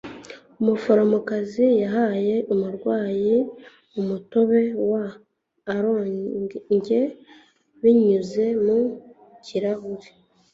umuforomokazi yahaye umurwayi umutobe wa orange binyuze mu kirahure